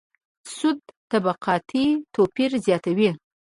سود طبقاتي توپیر زیاتوي.